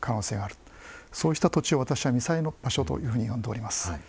そうした土地を私は「未災」の場所というふうに呼んでおります。